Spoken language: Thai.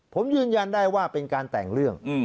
ผมยืนยันได้ว่าเป็นการแต่งเรื่อง